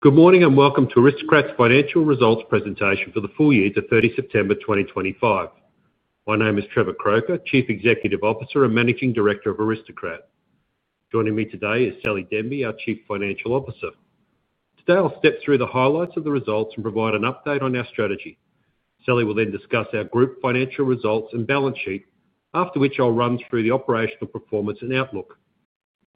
Good morning and welcome to Aristocrat's financial results presentation for the full year to 30 September 2025. My name is Trevor Croker, Chief Executive Officer and Managing Director of Aristocrat. Joining me today is Sally Denby, our Chief Financial Officer. Today I'll step through the highlights of the results and provide an update on our strategy. Sally will then discuss our group financial results and balance sheet, after which I'll run through the operational performance and outlook.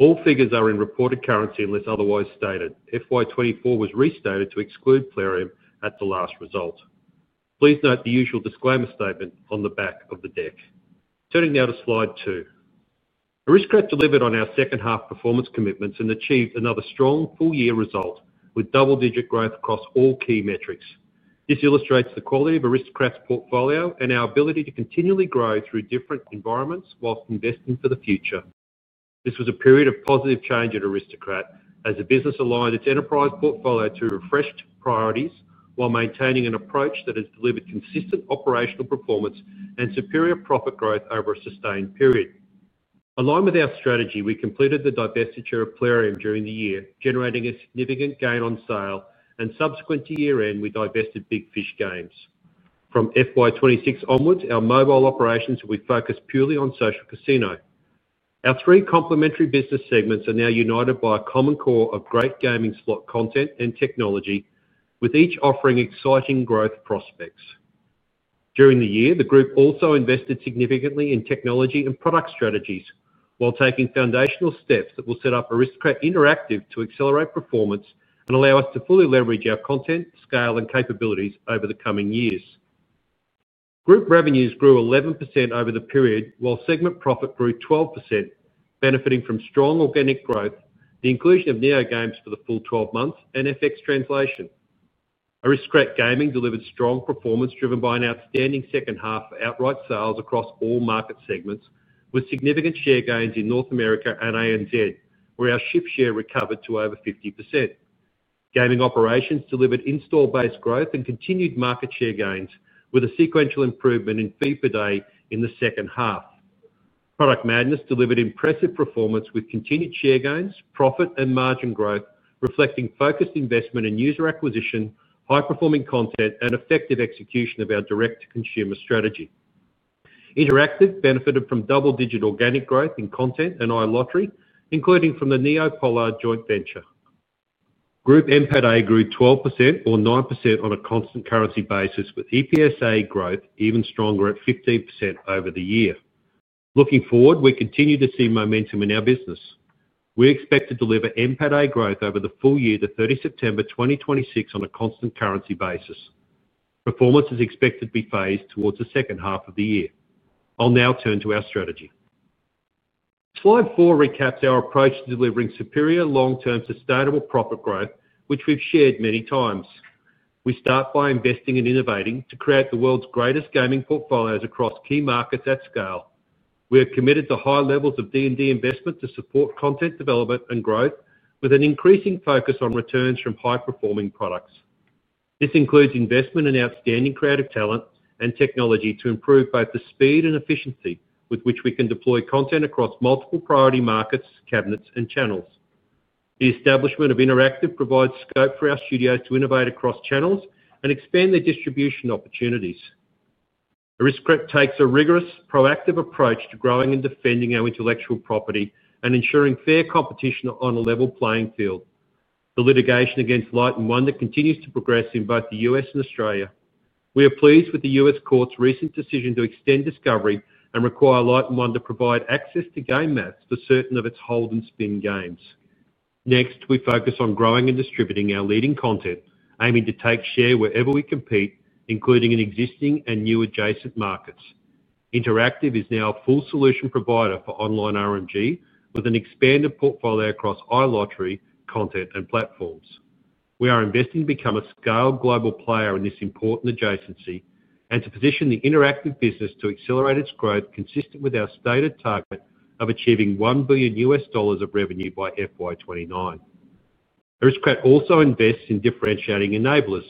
All figures are in reported currency unless otherwise stated. FY 2024 was restated to exclude Plarium at the last result. Please note the usual disclaimer statement on the back of the deck. Turning now to slide two. Aristocrat delivered on our second half performance commitments and achieved another strong full year result with double digit growth across all key metrics. This illustrates the quality of Aristocrat's portfolio and our ability to continually grow through different environments whilst investing for the future. This was a period of positive change at Aristocrat, as the business aligned its enterprise portfolio to refreshed priorities while maintaining an approach that has delivered consistent operational performance and superior profit growth over a sustained period. Along with our strategy, we completed the divestiture of Plarium during the year, generating a significant gain on sale, and subsequent to year end, we divested Big Fish Games. From 2026 onwards, our mobile operations will be focused purely on Social Casino. Our three complementary business segments are now united by a common core of great gaming slot content and technology, with each offering exciting growth prospects. During the year, the Group also invested significantly in technology and product strategies while taking foundational steps that will set up Aristocrat Interactive to accelerate performance and allow us to fully leverage our content, scale, and capabilities over the coming years. Group revenues grew 11% over the period, while segment profit grew 12%, benefiting from strong organic growth, the inclusion of NeoGames for the full 12 months, and FX translation. Aristocrat Gaming delivered strong performance driven by an outstanding second half for outright sales across all market segments, with significant share gains in North America and ANZ, where our shift share recovered to over 50%. Gaming operations delivered in-store based growth and continued market share gains, with a sequential improvement in fee per day in the second half. Product Madness delivered impressive performance with continued share gains, profit, and margin growth, reflecting focused investment in user acquisition, high performing content, and effective execution of our direct to consumer strategy. Interactive benefited from double digit organic growth in content and iLottery, including from the NeoPollard joint venture. Group MPADA grew 12% or 9% on a constant currency basis, with EPSA growth even stronger at 15% over the year. Looking forward, we continue to see momentum in our business. We expect to deliver MPADA growth over the full year to 30 September 2026 on a constant currency basis. Performance is expected to be phased towards the second half of the year. I'll now turn to our strategy. Slide four recaps our approach to delivering superior long term sustainable profit growth, which we've shared many times. We start by investing and innovating to create the world's greatest gaming portfolios across key markets at scale. We are committed to high levels of D&D investment to support content development and growth, with an increasing focus on returns from high performing products. This includes investment in outstanding creative talent and technology to improve both the speed and efficiency with which we can deploy content across multiple priority markets, cabinets, and channels. The establishment of Interactive provides scope for our studios to innovate across channels and expand their distribution opportunities. Aristocrat takes a rigorous, proactive approach to growing and defending our intellectual property and ensuring fair competition on a level playing field. The litigation against Light & Wonder continues to progress in both the U.S. and Australia. We are pleased with the U.S. Court's recent decision to extend discovery and require Light & Wonder to provide access to game maps for certain of its hold and spin games. Next, we focus on growing and distributing our leading content, aiming to take share wherever we compete, including in existing and new adjacent markets. Interactive is now a full solution provider for online RMG, with an expanded portfolio across iLottery, content, and platforms. We are investing to become a scaled global player in this important adjacency and to position the Interactive business to accelerate its growth consistent with our stated target of achieving AUD 1 billion of revenue by FY 2029. Aristocrat also invests in differentiating enablers.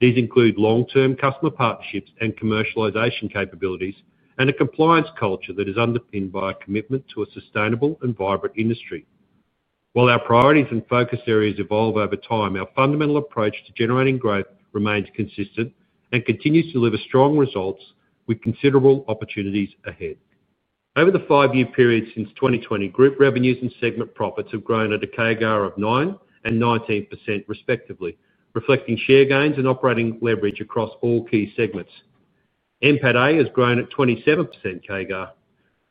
These include long-term customer partnerships and commercialization capabilities and a compliance culture that is underpinned by a commitment to a sustainable and vibrant industry. While our priorities and focus areas evolve over time, our fundamental approach to generating growth remains consistent and continues to deliver strong results with considerable opportunities ahead. Over the five year period since 2020, Group revenues and segment profits have grown at a CAGR of 9% and 19% respectively, reflecting share gains and operating leverage across all key segments. MPADA has grown at 27% CAGR.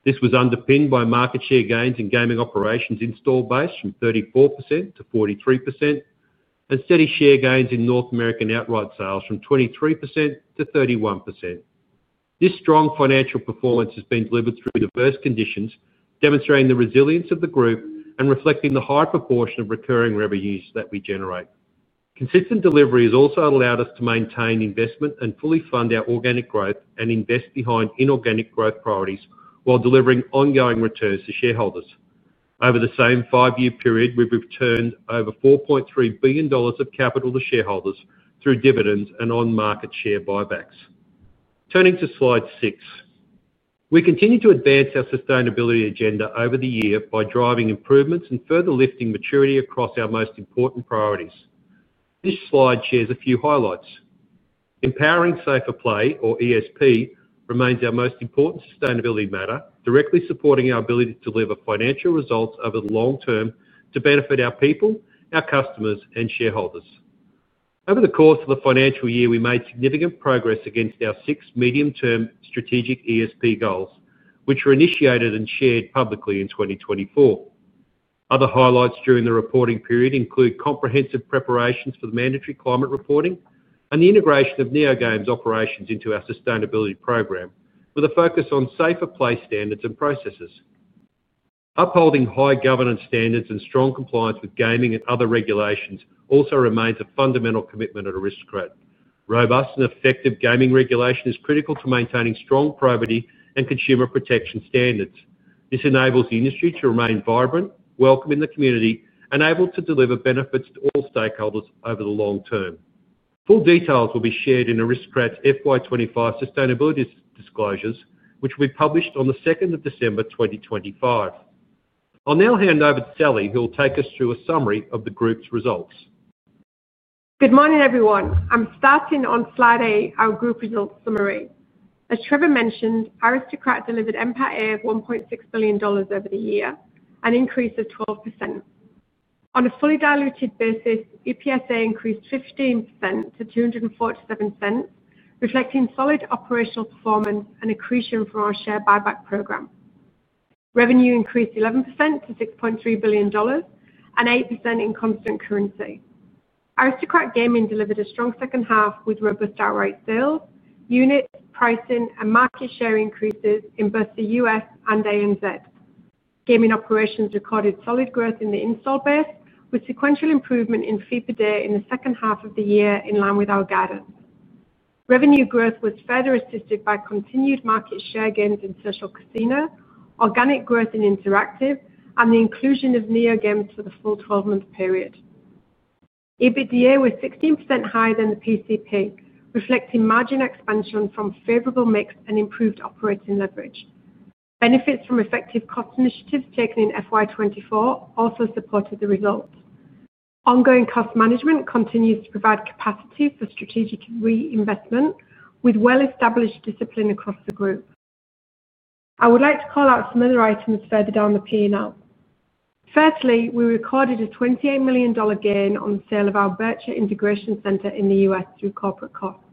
This was underpinned by market share gains in gaming operations in store base from 34% to 43% and steady share gains in North American outright sales from 23% to 31%. This strong financial performance has been delivered through diverse conditions, demonstrating the resilience of the Group and reflecting the high proportion of recurring revenues that we generate. Consistent delivery has also allowed us to maintain investment and fully fund our organic growth and invest behind inorganic growth priorities while delivering ongoing returns to shareholders. Over the same five year period, we have returned over 4.3 billion dollars of capital to shareholders through dividends and on market share buybacks. Turning to slide six, we continue to advance our sustainability agenda over the year by driving improvements and further lifting maturity across our most important priorities. This slide shares a few highlights. Empowering Safer Play, or ESP, remains our most important sustainability matter, directly supporting our ability to deliver financial results over the long term to benefit our people, our customers, and shareholders. Over the course of the financial year, we made significant progress against our six medium term strategic ESP goals, which were initiated and shared publicly in 2024. Other highlights during the reporting period include comprehensive preparations for the mandatory climate reporting and the integration of NeoGames operations into our sustainability program, with a focus on Safer Play standards and processes. Upholding high governance standards and strong compliance with gaming and other regulations also remains a fundamental commitment at Aristocrat. Robust and effective gaming regulation is critical to maintaining strong privacy and consumer protection standards. This enables the industry to remain vibrant, welcome in the community, and able to deliver benefits to all stakeholders over the long term. Full details will be shared in Aristocrat's FY 2025 sustainability disclosures, which will be published on the 2nd of December 2025. I'll now hand over to Sally, who will take us through a summary of the Group's results. Good morning everyone. I'm starting on slide eight, our Group Results Summary. As Trevor mentioned, Aristocrat delivered MPADA of 1.6 billion dollars over the year, an increase of 12%. On a fully diluted basis, EPSA increased 15% to 24.7%, reflecting solid operational performance and accretion from our share buyback program. Revenue increased 11% to 6.3 billion dollars and 8% in constant currency. Aristocrat Gaming delivered a strong second half with robust outright sales, units, pricing, and market share increases in both the U.S. and ANZ. Gaming operations recorded solid growth in the in-store base, with sequential improvement in fee per day in the second half of the year in line with our guidance. Revenue growth was further assisted by continued market share gains in Social Casino, organic growth in Interactive, and the inclusion of NeoGames for the full 12 month period. EBITDA was 16% higher than the PCP, reflecting margin expansion from favorable mix and improved operating leverage. Benefits from effective cost initiatives taken in FY 2024 also supported the results. Ongoing cost management continues to provide capacity for strategic reinvestment with well established discipline across the Group. I would like to call out some other items further down the P&L. Firstly, we recorded a 28 million dollar gain on the sale of our Berkshire Integration Center in the U.S. through corporate costs.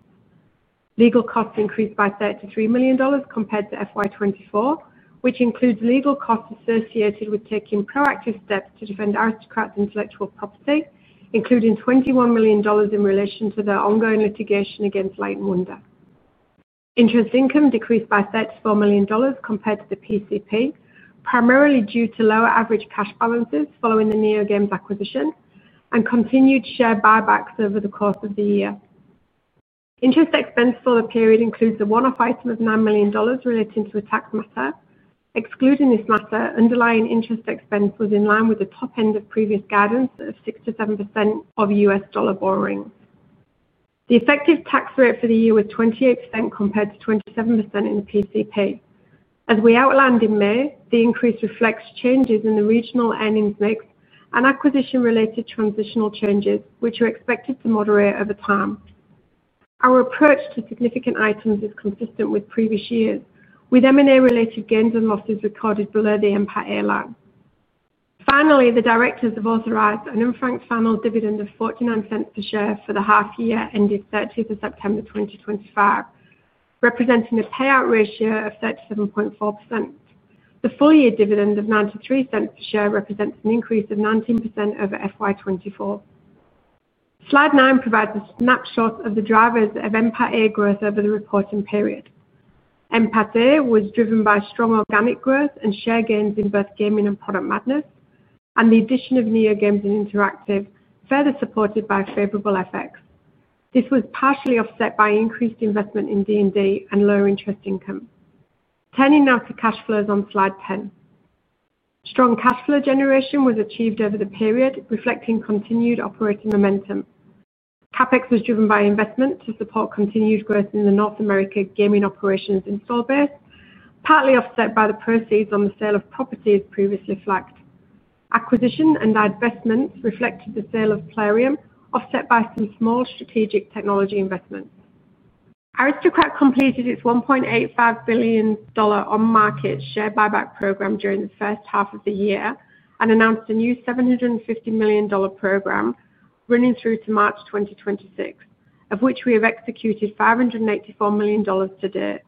Legal costs increased by 33 million dollars compared to FY 2024, which includes legal costs associated with taking proactive steps to defend Aristocrat's intellectual property, including 21 million dollars in relation to the ongoing litigation against Light & Wonder. Interest income decreased by 34 million dollars compared to the PCP, primarily due to lower average cash balances following the Neo Games acquisition and continued share buybacks over the course of the year. Interest expense for the period includes a one off item of 9 million dollars relating to a tax matter. Excluding this matter, underlying interest expense was in line with the top end of previous guidance of 6%-7% of U.S. dollar borrowing. The effective tax rate for the year was 28% compared to 27% in the PCP. As we outlined in May, the increase reflects changes in the regional earnings mix and acquisition related transitional changes, which are expected to moderate over time. Our approach to significant items is consistent with previous years, with M&A related gains and losses recorded below the MPADA line. Finally, the directors have authorized an unfranked final dividend of 0.49 per share for the half year ended 30 September 2025, representing a payout ratio of 37.4%. The full year dividend of 0.93 per share represents an increase of 19% over FY 2024. Slide nine provides a snapshot of the drivers of MPADA growth over the reporting period. MPADA was driven by strong organic growth and share gains in both gaming and Product Madness, and the addition of NeoGames and Interactive, further supported by favorable effects. This was partially offset by increased investment in D&D and lower interest income. Turning now to cash flows on slide 10. Strong cash flow generation was achieved over the period, reflecting continued operating momentum. CapEx was driven by investment to support continued growth in the North America gaming operations in store base, partly offset by the proceeds on the sale of property as previously flagged. Acquisition and divestments reflected the sale of Plarium, offset by some small strategic technology investments. Aristocrat completed its 1.85 billion dollar on market share buyback program during the first half of the year and announced a new 750 million dollar program running through to March 2026, of which we have executed 584 million dollars to date.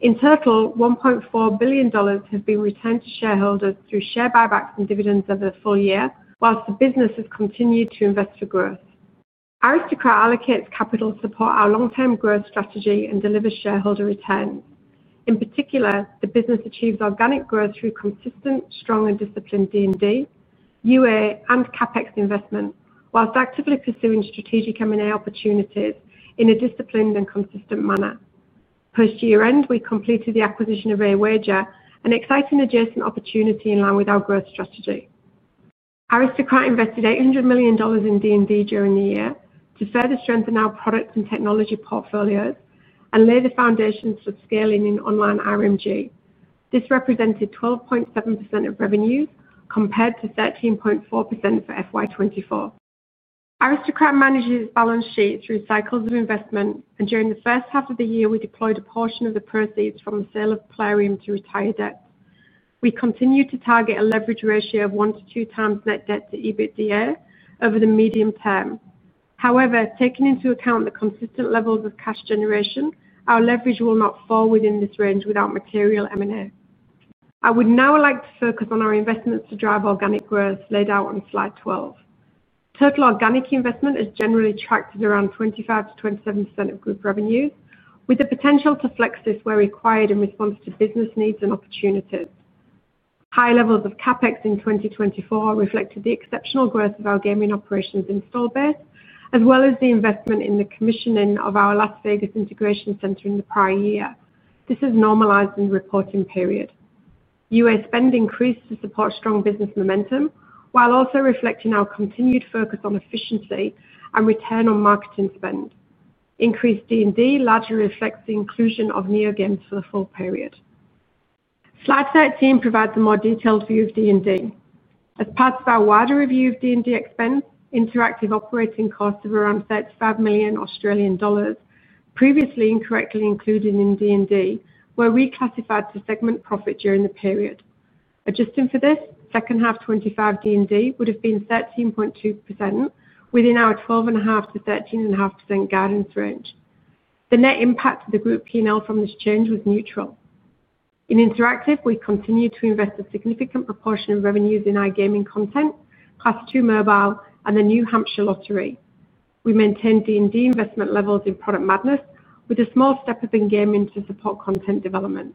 In total, 1.4 billion dollars have been returned to shareholders through share buybacks and dividends over the full year, whilst the business has continued to invest for growth. Aristocrat allocates capital to support our long term growth strategy and delivers shareholder returns. In particular, the business achieves organic growth through consistent, strong, and disciplined D&D, UA, and CapEx investment, whilst actively pursuing strategic M&A opportunities in a disciplined and consistent manner. Post year end, we completed the acquisition of Rare Wager, an exciting adjacent opportunity in line with our growth strategy. Aristocrat invested 800 million dollars in D&D during the year to further strengthen our product and technology portfolios and lay the foundations for scaling in online RMG. This represented 12.7% of revenues compared to 13.4% for FY 2024. Aristocrat manages its balance sheet through cycles of investment, and during the first half of the year, we deployed a portion of the proceeds from the sale of Plarium to retire debt. We continue to target a leverage ratio of 1x-2x net debt to EBITDA over the medium term. However, taking into account the consistent levels of cash generation, our leverage will not fall within this range without material M&A. I would now like to focus on our investments to drive organic growth laid out on slide 12. Total organic investment is generally tracked at around 25%-27% of Group revenues, with the potential to flex this where required in response to business needs and opportunities. High levels of CapEx in 2024 reflected the exceptional growth of our gaming operations in store base, as well as the investment in the commissioning of our Las Vegas Integration Center in the prior year. This has normalized in the reporting period. UA spend increased to support strong business momentum, while also reflecting our continued focus on efficiency and return on marketing spend. Increased D&D largely reflects the inclusion of NeoGames for the full period. Slide 13 provides a more detailed view of D&D. As part of our wider review of D&D expense, interactive operating costs of around 35 million Australian dollars previously incorrectly included in D&D were reclassified to segment profit during the period. Adjusting for this, second half 2025 D&D would have been 13.2% within our 12.5%-13.5% guidance range. The net impact of the Group P&L from this change was neutral. In Interactive, we continue to invest a significant proportion of revenues in our gaming content, Class 2 mobile, and the New Hampshire Lottery. We maintain D&D investment levels in Product Madness, with a small step of in-game into support content development.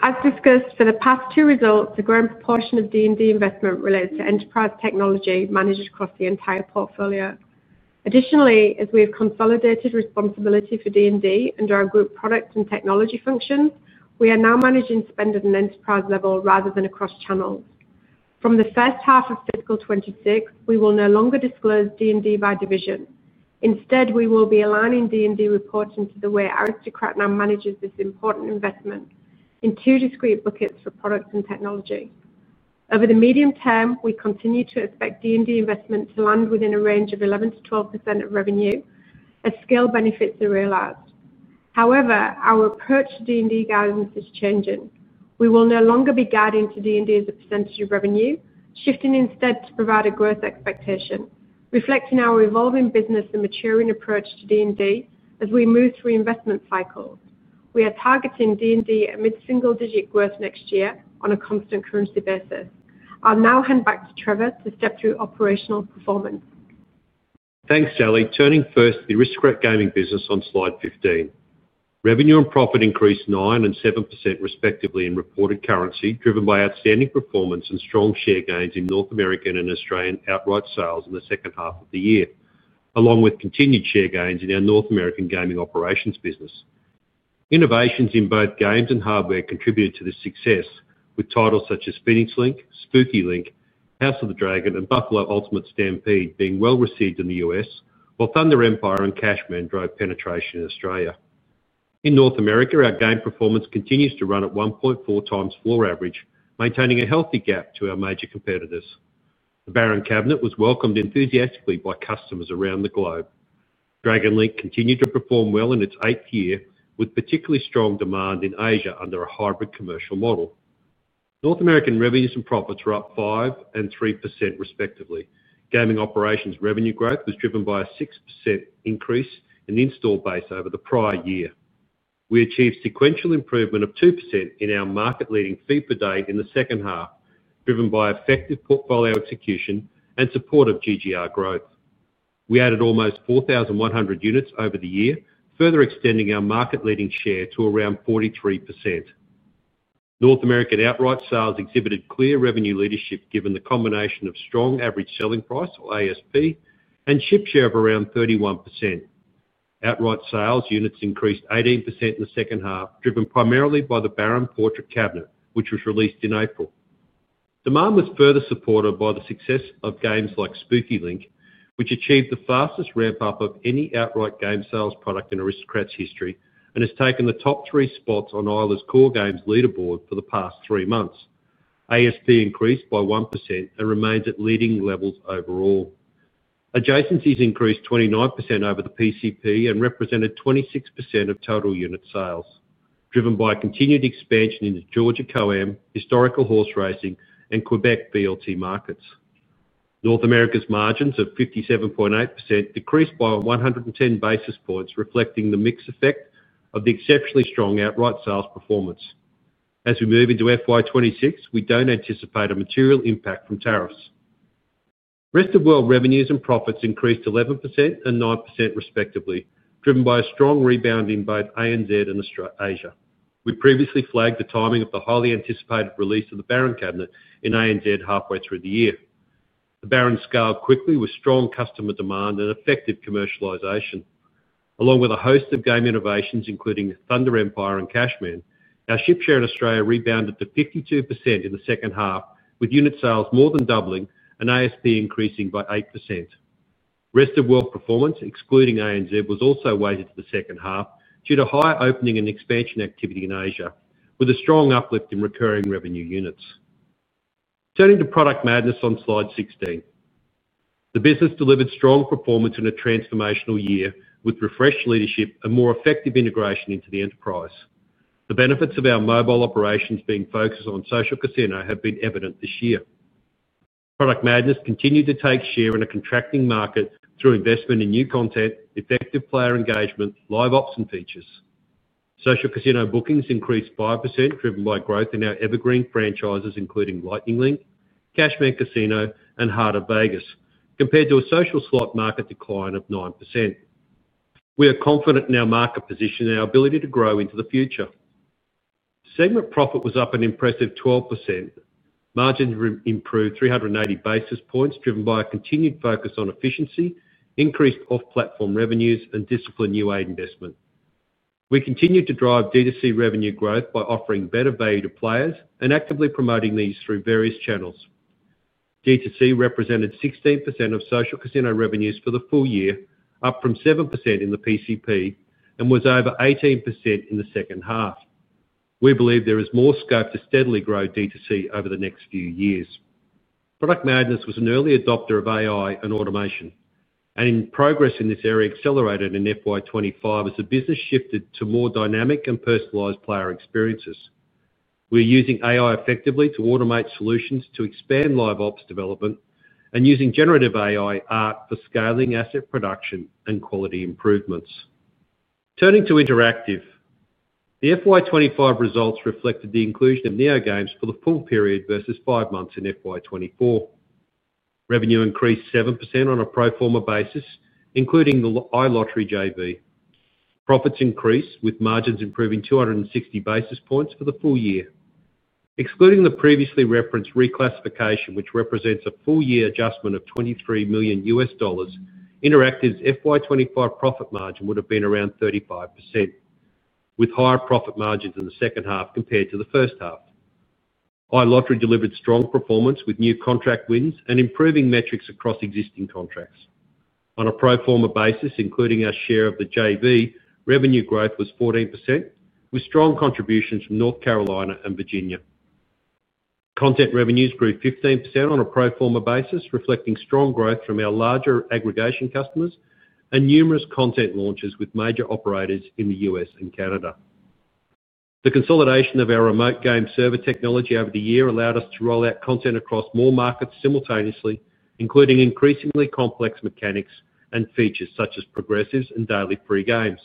As discussed, for the past two results, a growing proportion of D&D investment related to enterprise technology managed across the entire portfolio. Additionally, as we have consolidated responsibility for D&D under our Group product and technology functions, we are now managing spend at an enterprise level rather than across channels. From the first half of fiscal 2026, we will no longer disclose D&D by division. Instead, we will be aligning D&D reporting to the way Aristocrat now manages this important investment in two discrete buckets for product and technology. Over the medium term, we continue to expect D&D investment to land within a range of 11%-12% of revenue as scale benefits are realized. However, our approach to D&D guidance is changing. We will no longer be guiding to D&D as a percentage of revenue, shifting instead to provide a growth expectation, reflecting our evolving business and maturing approach to D&D as we move through investment cycles. We are targeting D&D amid single-digit growth next year on a constant currency basis. I'll now hand back to Trevor to step through operational performance. Thanks, Sally. Turning first to the Aristocrat Gaming business on slide 15. Revenue and profit increased 9% and 7% respectively in reported currency, driven by outstanding performance and strong share gains in North American and Australian outright sales in the second half of the year, along with continued share gains in our North American gaming operations business. Innovations in both games and hardware contributed to this success, with titles such as Phoenix Link, Spooky Link, House of the Dragon, and Buffalo Ultimate Stampede being well received in the U.S., while Thunder Empire and Cashman drove penetration in Australia. In North America, our game performance continues to run at 1.4x floor average, maintaining a healthy gap to our major competitors. The Baron Cabinet was welcomed enthusiastically by customers around the globe. Dragon Link continued to perform well in its eighth year, with particularly strong demand in Asia under a hybrid commercial model. North American revenues and profits were up 5% and 3% respectively. Gaming operations revenue growth was driven by a 6% increase in in-store base over the prior year. We achieved sequential improvement of 2% in our market leading fee per day in the second half, driven by effective portfolio execution and support of GGR growth. We added almost 4,100 units over the year, further extending our market leading share to around 43%. North American outright sales exhibited clear revenue leadership given the combination of strong average selling price, or ASP, and chip share of around 31%. Outright sales units increased 18% in the second half, driven primarily by the Baron Portrait Cabinet, which was released in April. Demand was further supported by the success of games like Spooky Link, which achieved the fastest ramp-up of any outright game sales product in Aristocrat's history and has taken the top three spots on Isla's Core Games leaderboard for the past three months. ASP increased by 1% and remains at leading levels overall. Adjacencies increased 29% over the PCP and represented 26% of total unit sales, driven by continued expansion into Georgia Co-Am, historical horse racing, and Quebec BLT markets. North America's margins of 57.8% decreased by 110 basis points, reflecting the mixed effect of the exceptionally strong outright sales performance. As we move into FY 2026, we do not anticipate a material impact from tariffs. Rest of world revenues and profits increased 11% and 9% respectively, driven by a strong rebound in both ANZ and Asia. We previously flagged the timing of the highly anticipated release of the Baron Cabinet in ANZ halfway through the year. The Baron scaled quickly with strong customer demand and effective commercialization. Along with a host of game innovations, including Thunder Empire and Cashman, our chip share in Australia rebounded to 52% in the second half, with unit sales more than doubling and ASP increasing by 8%. Rest of world performance, excluding ANZ, was also weighted to the second half due to high opening and expansion activity in Asia, with a strong uplift in recurring revenue units. Turning to Product Madness on slide 16. The business delivered strong performance in a transformational year with refreshed leadership and more effective integration into the enterprise. The benefits of our mobile operations being focused on Social Casino have been evident this year. Product Madness continued to take share in a contracting market through investment in new content, effective player engagement, Live Ops and features. Social Casino bookings increased 5%, driven by growth in our evergreen franchises, including Lightning Link, Cashman Casino, and Heart of Vegas, compared to a social slot market decline of 9%. We are confident in our market position and our ability to grow into the future. Segment profit was up an impressive 12%. Margins improved 380 basis points, driven by a continued focus on efficiency, increased off-platform revenues, and disciplined new UA investment. We continued to drive D2C revenue growth by offering better value to players and actively promoting these through various channels. D2C represented 16% of Social Casino revenues for the full year, up from 7% in the PCP and was over 18% in the second half. We believe there is more scope to steadily grow D2C over the next few years. Product Madness was an early adopter of AI and automation, and progress in this area accelerated in FY 2025 as the business shifted to more dynamic and personalized player experiences. We are using AI effectively to automate solutions to expand Live Ops development and using generative AI art for scaling asset production and quality improvements. Turning to Interactive, the FY 2025 results reflected the inclusion of NeoGames for the full period versus five months in FY 2024. Revenue increased 7% on a pro forma basis, including the iLottery JV. Profits increased with margins improving 260 basis points for the full year. Excluding the previously referenced reclassification, which represents a full year adjustment of $23 million, Interactive's FY 2025 profit margin would have been around 35%, with higher profit margins in the second half compared to the first half. iLottery delivered strong performance with new contract wins and improving metrics across existing contracts. On a pro forma basis, including our share of the JV, revenue growth was 14%, with strong contributions from North Carolina and Virginia. Content revenues grew 15% on a pro forma basis, reflecting strong growth from our larger aggregation customers and numerous content launches with major operators in the U.S. and Canada. The consolidation of our remote game server technology over the year allowed us to roll out content across more markets simultaneously, including increasingly complex mechanics and features such as progressives and daily free games.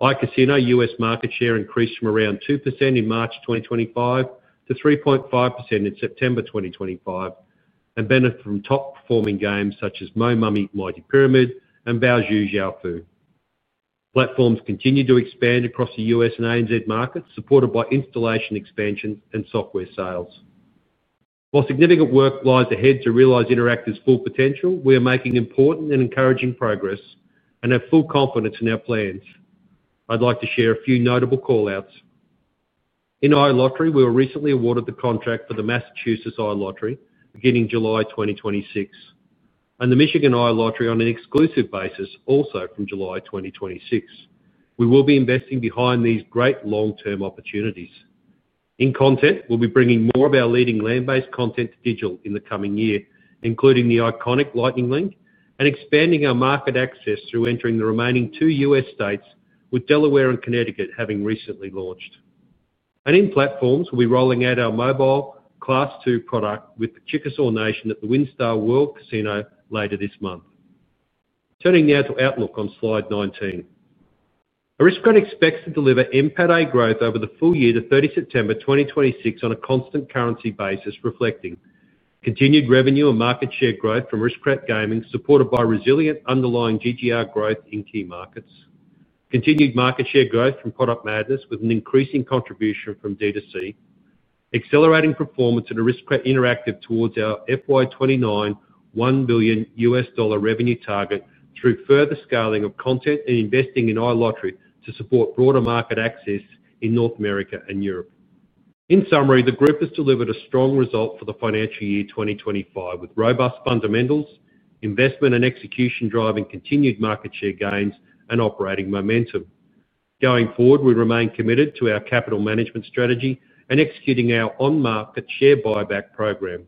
iCasino U.S. market share increased from around 2% in March 2025 to 3.5% in September 2025 and benefited from top-performing games such as Mo Mummy, Mighty Pyramid, and Bowser Fu. Platforms continue to expand across the U.S. and ANZ markets, supported by installation expansions and software sales. While significant work lies ahead to realize Interactive's full potential, we are making important and encouraging progress and have full confidence in our plans. I'd like to share a few notable callouts. In iLottery, we were recently awarded the contract for the Massachusetts iLottery beginning July 2026, and the Michigan iLottery on an exclusive basis, also from July 2026. We will be investing behind these great long-term opportunities. In content, we'll be bringing more of our leading land-based content to digital in the coming year, including the iconic Lightning Link, and expanding our market access through entering the remaining two US states, with Delaware and Connecticut having recently launched. In platforms, we'll be rolling out our mobile Class 2 product with the Chickasaw Nation at the Windstar World Casino later this month. Turning now to Outlook on slide 19. Aristocrat expects to deliver MPADA growth over the full year to 30 September 2026 on a constant currency basis, reflecting continued revenue and market share growth from Aristocrat Gaming, supported by resilient underlying GGR growth in key markets. Continued market share growth from Product Madness with an increasing contribution from D2C. Accelerating performance at Aristocrat Interactive towards our FY 2029 $1 billion revenue target through further scaling of content and investing in iLottery to support broader market access in North America and Europe. In summary, the Group has delivered a strong result for the financial year 2025, with robust fundamentals, investment, and execution driving continued market share gains and operating momentum. Going forward, we remain committed to our capital management strategy and executing our on-market share buyback program.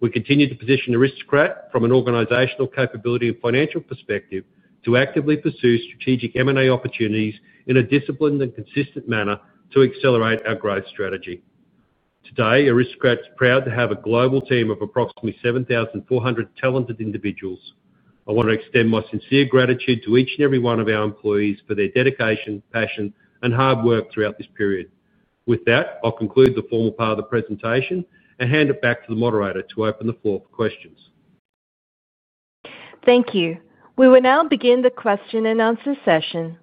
We continue to position Aristocrat from an organizational capability and financial perspective to actively pursue strategic M&A opportunities in a disciplined and consistent manner to accelerate our growth strategy. Today, Aristocrat is proud to have a global team of approximately 7,400 talented individuals. I want to extend my sincere gratitude to each and every one of our employees for their dedication, passion, and hard work throughout this period. With that, I'll conclude the formal part of the presentation and hand it back to the moderator to open the floor for questions. Thank you. We will now begin the question and answer session.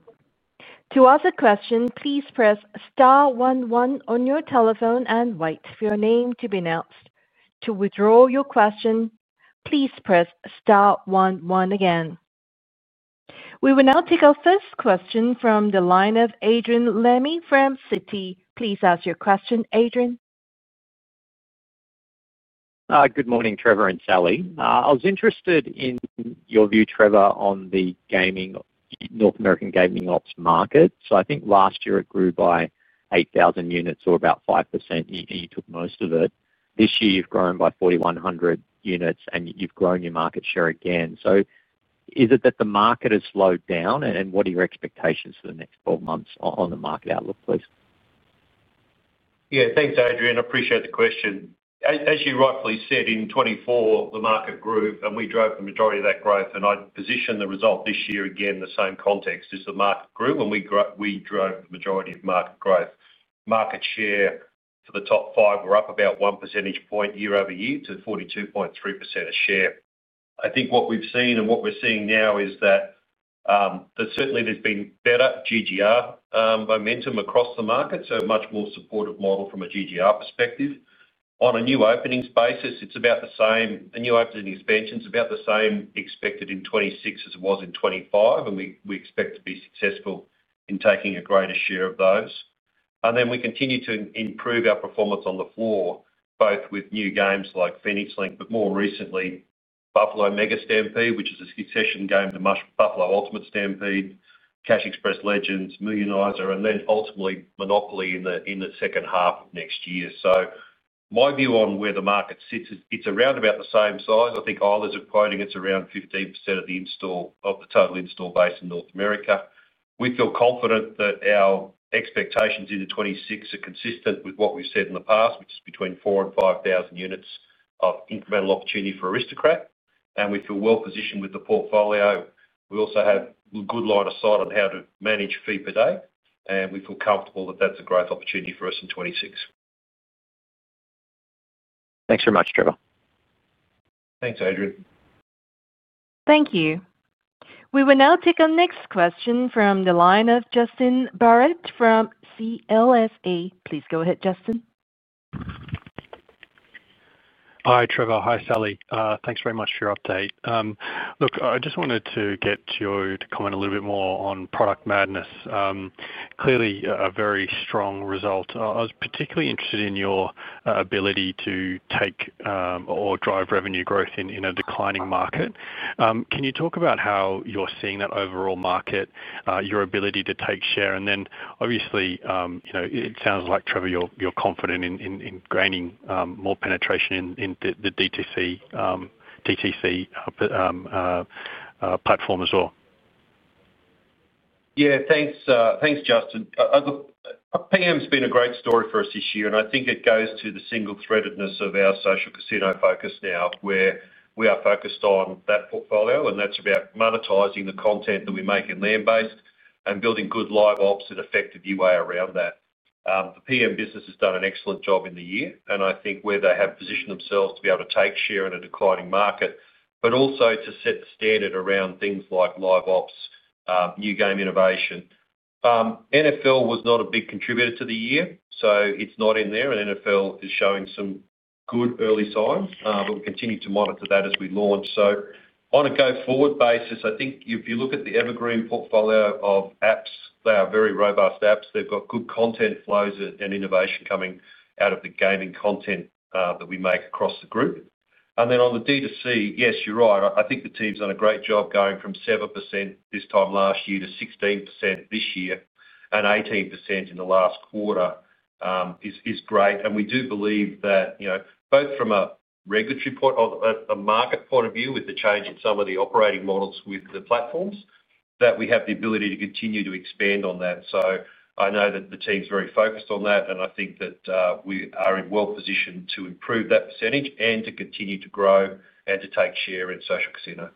To ask a question, please press star one one on your telephone and wait for your name to be announced. To withdraw your question, please press star one one again. We will now take our first question from the line of Adrian Lemme from Citi. Please ask your question, Adrian. Good morning, Trevor and Sally. I was interested in your view, Trevor, on the gaming, North American gaming ops market. I think last year it grew by 8,000 units or about 5%, and you took most of it. This year you've grown by 4,100 units, and you've grown your market share again. Is it that the market has slowed down, and what are your expectations for the next 12 months on the market outlook, please? Yeah, thanks, Adrian. I appreciate the question. As you rightfully said, in 2024, the market grew, and we drove the majority of that growth. I'd position the result this year again in the same context: as the market grew, and we drove the majority of market growth. Market share for the top five were up about one percentage point year over year to 42.3% of share. I think what we've seen and what we're seeing now is that certainly there's been better GGR momentum across the market, so a much more supportive model from a GGR perspective. On a new openings basis, it's about the same. The new opening expansion is about the same expected in 2026 as it was in 2025, and we expect to be successful in taking a greater share of those. We continue to improve our performance on the floor, both with new games like Phoenix Link, but more recently, Buffalo Mega Stampede, which is a succession game, the Buffalo Ultimate Stampede, Cash Express Legends, Millioni$er, and then ultimately Monopoly in the second half of next year. My view on where the market sits is it's around about the same size. I think Isla's are quoting it's around 15% of the in-store, of the total in-store base in North America. We feel confident that our expectations in 2026 are consistent with what we've said in the past, which is between 4,000 and 5,000 units of incremental opportunity for Aristocrat. We feel well positioned with the portfolio. We also have a good line of sight on how to manage fee per day, and we feel comfortable that that's a growth opportunity for us in 2026. Thanks very much, Trevor. Thanks, Adrian. Thank you. We will now take our next question from the line of Justin Barratt from CLSA. Please go ahead, Justin. Hi, Trevor. Hi, Sally. Thanks very much for your update. Look, I just wanted to get you to comment a little bit more on Product Madness. Clearly, a very strong result. I was particularly interested in your ability to take or drive revenue growth in a declining market. Can you talk about how you're seeing that overall market, your ability to take share? Obviously, it sounds like, Trevor, you're confident in gaining more penetration in the D2C, DTC platform as well. Yeah, thanks, Justin. PM's been a great story for us this year, and I think it goes to the single-threadedness of our Social Casino focus now, where we are focused on that portfolio, and that's about monetizing the content that we make in land-based and building good live ops and effective UA around that. The PM business has done an excellent job in the year, and I think where they have positioned themselves to be able to take share in a declining market, but also to set the standard around things like live ops, new game innovation. NFL was not a big contributor to the year, so it's not in there, and NFL is showing some good early signs, but we continue to monitor that as we launch. On a go forward basis, I think if you look at the evergreen portfolio of apps, they are very robust apps. They've got good content flows and innovation coming out of the gaming content that we make across the group. On the D2C, yes, you're right. I think the team's done a great job going from 7% this time last year to 16% this year and 18% in the last quarter is great. We do believe that both from a regulatory point, a market point of view, with the change in some of the operating models with the platforms, that we have the ability to continue to expand on that. I know that the team's very focused on that, and I think that we are well positioned to improve that percentage and to continue to grow and to take share in Social Casino.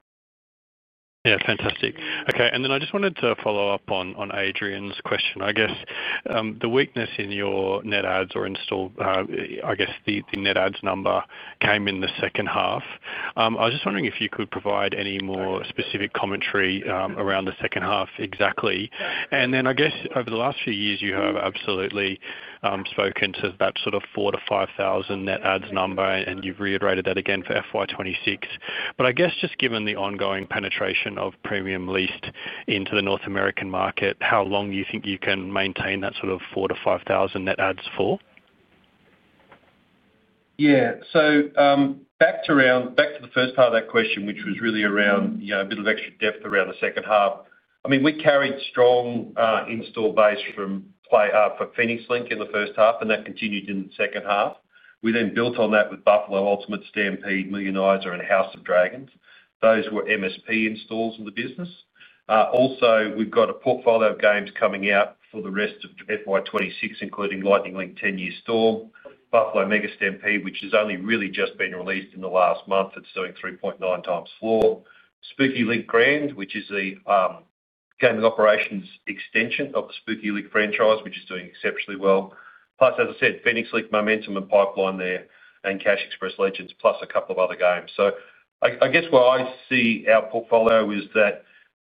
Yeah, fantastic. Okay, and then I just wanted to follow up on Adrian's question. I guess the weakness in your net ads or in-store, I guess the net ads number came in the second half. I was just wondering if you could provide any more specific commentary around the second half exactly. I guess over the last few years, you have absolutely spoken to that sort of 4,000-5,000 net ads number, and you've reiterated that again for FY 2026. I guess just given the ongoing penetration of premium leased into the North American market, how long do you think you can maintain that sort of 4,000-5,000 net ads for? Yeah, so back to the first part of that question, which was really around a bit of extra depth around the second half. I mean, we carried strong in-store base from Phoenix Link in the first half, and that continued in the second half. We then built on that with Buffalo Ultimate Stampede, Millioni$er, and House of the Dragon. Those were MSP in-stores in the business. Also, we've got a portfolio of games coming out for the rest of FY 2026, including Lightning Link: 10 Year Storm, Buffalo Mega Stampede, which has only really just been released in the last month. It's doing 3.9x floor. Spooky Link Grand, which is the gaming operations extension of the Spooky Link franchise, which is doing exceptionally well. Plus, as I said, Phoenix Link momentum and pipeline there and Cash Express Legends, plus a couple of other games. I guess where I see our portfolio is that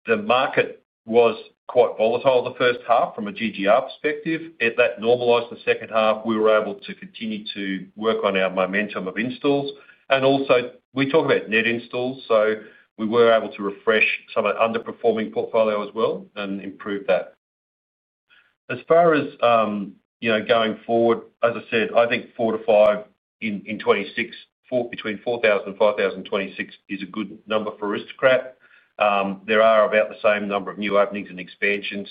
the market was quite volatile the first half from a GGR perspective. That normalized the second half. We were able to continue to work on our momentum of in-stores. Also, we talk about net in-stores, so we were able to refresh some of the underperforming portfolio as well and improve that. As far as going forward, as I said, I think 4,000-5,000 in 2026, between 4,000 and 5,000 in 2026 is a good number for Aristocrat. There are about the same number of new openings and expansions.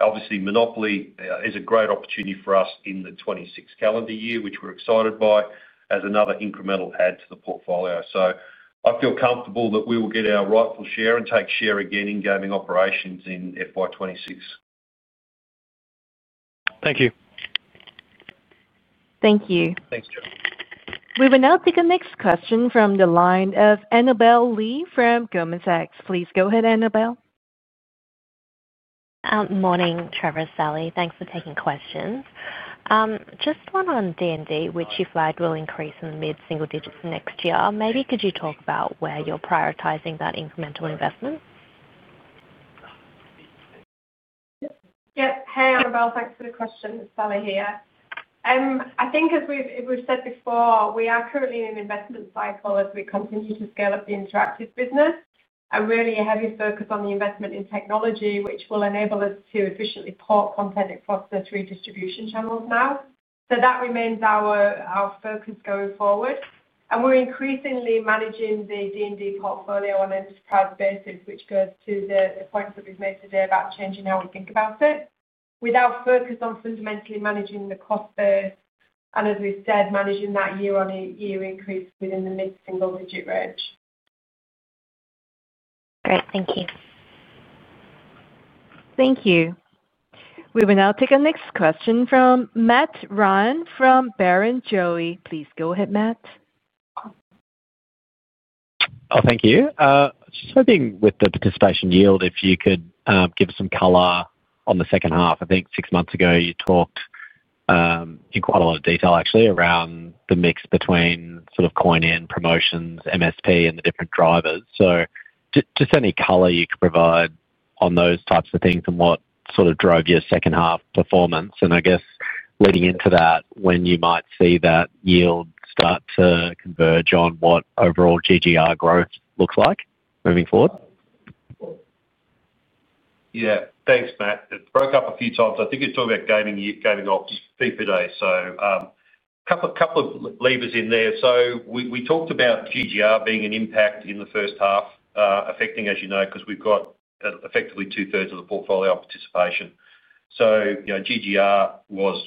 Obviously, Monopoly is a great opportunity for us in the 2026 calendar year, which we are excited by as another incremental add to the portfolio. I feel comfortable that we will get our rightful share and take share again in gaming operations in FY 2026. Thank you. Thank you. We will now take a next question from the line of Annabel Li from Goldman Sachs. Please go ahead, Annabel. Morning, Trevor, Sally. Thanks for taking questions. Just one on D&D, which you flagged will increase in the mid-single digits next year. Maybe could you talk about where you're prioritizing that incremental investment? Yep. Hey, Annabel. Thanks for the question. Sally here. I think, as we've said before, we are currently in an investment cycle as we continue to scale up the Interactive business and really have a focus on the investment in technology, which will enable us to efficiently port content across the three distribution channels now. That remains our focus going forward. We're increasingly managing the D&D portfolio on an enterprise basis, which goes to the points that we've made today about changing how we think about it, with our focus on fundamentally managing the cost base, and as we said, managing that year-on-year increase within the mid-single digit range. Great. Thank you. Thank you. We will now take our next question from Matt Ryan from Barrenjoey. Please go ahead, Matt. Oh, thank you. Just hoping with the participation yield, if you could give us some color on the second half. I think six months ago, you talked in quite a lot of detail, actually, around the mix between sort of coin-in promotions, MSP, and the different drivers. Just any color you could provide on those types of things and what sort of drove your second half performance. I guess leading into that, when you might see that yield start to converge on what overall GGR growth looks like moving forward? Yeah, thanks, Matt. It broke up a few times. I think you're talking about gaming ops fee per day. So a couple of levers in there. So we talked about GGR being an impact in the first half, affecting, as you know, because we've got effectively two-thirds of the portfolio participation. So GGR was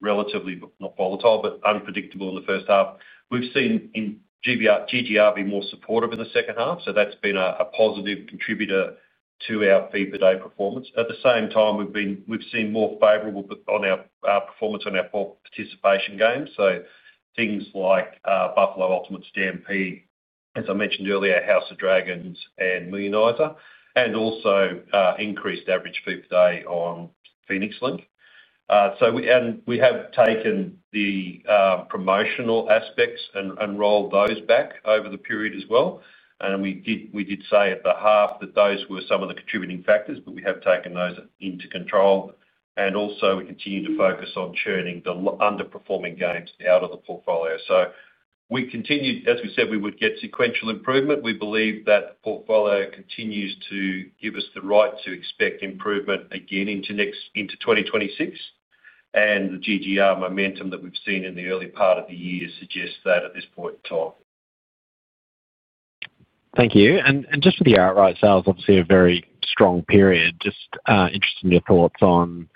relatively not volatile, but unpredictable in the first half. We've seen GGR be more supportive in the second half, so that's been a positive contributor to our fee per day performance. At the same time, we've seen more favorable on our performance on our participation games. So things like Buffalo Ultimate Stampede, as I mentioned earlier, House of the Dragon, and Millioni$er, and also increased average fee per day on Phoenix Link. And we have taken the promotional aspects and rolled those back over the period as well. We did say at the half that those were some of the contributing factors, but we have taken those into control. We also continue to focus on churning the underperforming games out of the portfolio. We continued, as we said, we would get sequential improvement. We believe that the portfolio continues to give us the right to expect improvement again into 2026. The GGR momentum that we've seen in the early part of the year suggests that at this point in time. Thank you. Just for the outright itself, obviously a very strong period. Just interested in your thoughts on,